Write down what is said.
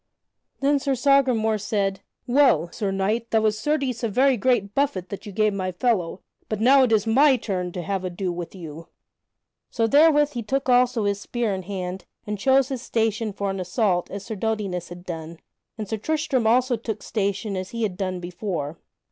Then Sir Sagramore said: "Well, Sir Knight, that was certes a very great buffet that you gave my fellow, but now it is my turn to have ado with you." [Sidenote: Sir Tristram does battle with Sir Sagramore] So therewith he took also his spear in hand and chose his station for an assault as Sir Dodinas had done, and Sir Tristram also took station as he had done before.